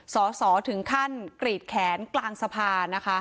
สสถึงขั้นกรีดแขนกลางสภา